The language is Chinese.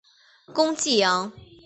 攻济阳。